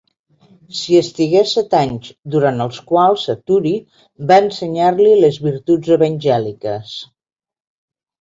S'hi estigué set anys, durant els quals Saturi va ensenyar-li les virtuts evangèliques.